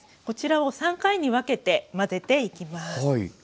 こちらを３回に分けて混ぜていきます。